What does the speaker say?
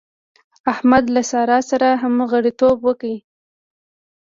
احمد له سارا سره همغاړيتوب وکړ.